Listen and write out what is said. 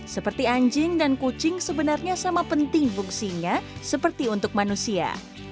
seperti anjing dan kucing sebenarnya sama penting fungsinya seperti untuk manusia